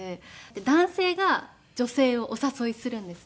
男性が女性をお誘いするんですね。